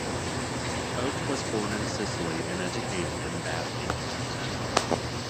Oates was born in Sicily and educated in Bath, England.